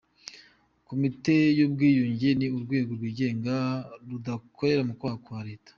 Komite y’ubwiyunge ni urwego rwigenga, rudakorera mu kwaha kwa Leta.